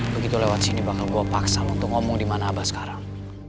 begitu lewat sini bakal gue paksa lu untuk ngomong dimana apa sekarang